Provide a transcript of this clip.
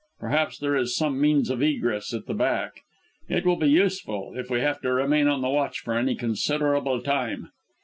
Perhaps there is some means of egress at the back. It will be useful if we have to remain on the watch for any considerable time."